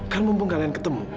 kan mumpung kalian ketemu